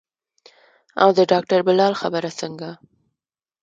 او د ډاکتر بلال خبره څنګه.